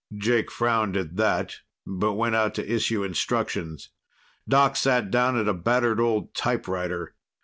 Jake frowned at that, but went out to issue instructions. Doc sat down at a battered old typewriter.